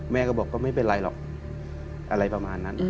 แม่ก็บอกก็ไม่เป็นไรหรอกอะไรประมาณนั้น